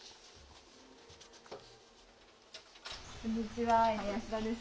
こんにちは、ＮＨＫの林田です。